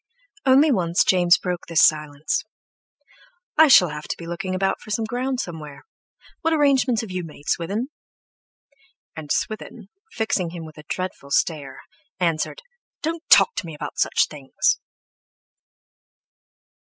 Only once James broke this silence: "I shall have to be looking about for some ground somewhere. What arrangements have you made, Swithin?" And Swithin, fixing him with a dreadful stare, answered: "Don't talk to me about such things!"